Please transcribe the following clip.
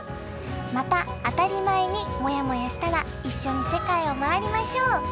また当たり前にもやもやしたら一緒に世界を回りましょう！